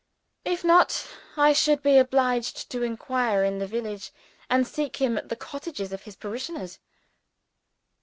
If not, I should be obliged to inquire in the village and seek him at the cottages of his parishioners.